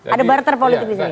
ada barter politik di sini